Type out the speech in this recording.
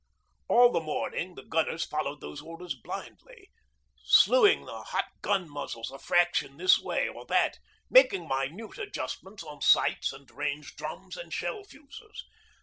All the morning the gunners followed those orders blindly, sluing the hot gun muzzles a fraction this way or that, making minute adjustments on sights and range drums and shell fuses.